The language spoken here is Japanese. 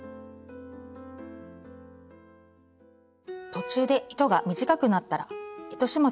途中で糸が短くなったら糸始末をしていきます。